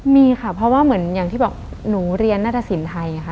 มีค่ะเพราะว่าเหมือนอย่างที่บอกหนูเรียนหน้าตะสินไทยค่ะ